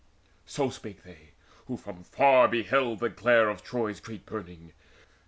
So spake they, who from far beheld the glare Of Troy's great burning.